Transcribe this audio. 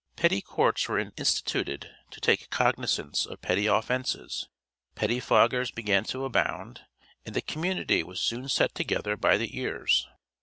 Petty courts were instituted to take cognizance of petty offences, pettifoggers began to abound, and the community was soon set together by the ears.